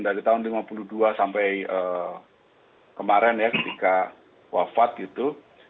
dari tahun seribu sembilan ratus lima puluh dua sampai kemarin ya ketika wafat gitu